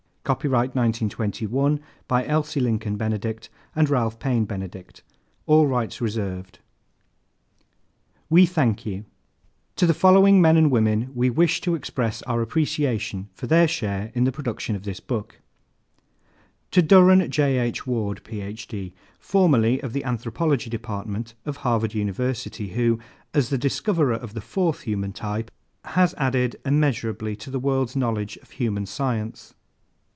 Copyright, 1921 By Elsie Lincoln Benedict and Ralph Paine Benedict All rights reserved WE THANK YOU ¶ To the following men and women we wish to express our appreciation for their share in the production of this book: To DUREN J. H. WARD, PH. D., formerly of the Anthropology Department of Harvard University, who, as the discoverer of the fourth human type, has added immeasurably to the world's knowledge of human science.